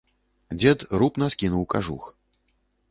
Дзед рупна скінуў кажух.